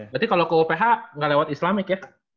berarti kalau ke uph nggak lewat islamic ya